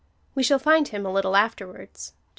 We shall find him a little afterwards (chap.